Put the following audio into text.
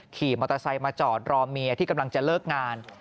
ขี่มอเตอร์ไซค์มาจอดรอเมียที่กำลังจะเลิกงาน